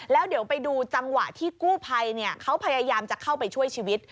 แล้วเดี๋ยวไปดูจังหวะที่กู้ภัยเขาพยายามจะเข้าไปช่วยชีวิต